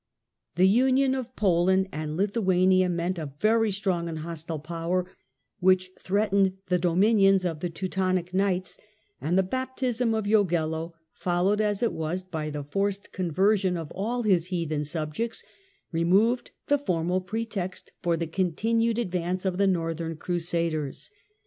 The union of Poland and Lithuania meant a Ladislas ot Poland, very strong and hostile power which threatened the dominions of the Teutonic Knights, and the baptism of Jagello, followed as it was by the forced conversion of THE SHORES OF THE BALTIC 231 all his heathen subjects, removed the formal pretext for the continued advance of the Northern Crusaders.